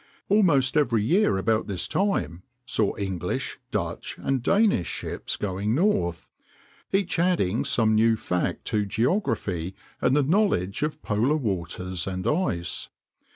Almost every year about this time saw English, Dutch, and Danish ships going north, each adding some new fact to geography and the knowledge of polar waters and ice.